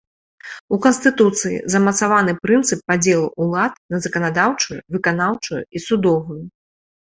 У канстытуцыі замацаваны прынцып падзелу ўлад на заканадаўчую, выканаўчую і судовую.